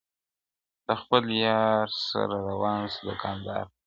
له خپل یار سره روان سو دوکاندار ته.!